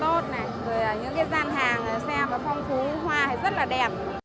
rồi ở những gian hàng xe có phong phú hoa thì rất là đẹp